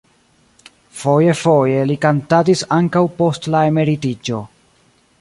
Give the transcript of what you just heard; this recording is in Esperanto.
Foje-foje li kantadis ankaŭ post la emeritiĝo.